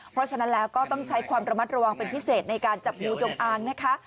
เพราะฉะนั้นแล้วก็ต้องใช้ความระมัดระวังเป็นพิเศษในการจับงูจงอางนะคะ